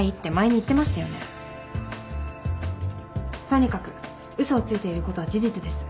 とにかく嘘をついていることは事実です。